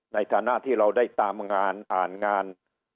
ในฐานะที่เราได้ตามงานอ่านงาน